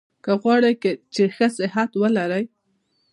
که غواړی چي ښه صحت ولرئ؟